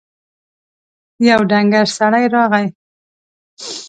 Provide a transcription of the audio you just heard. يو ډنګر سړی راغی.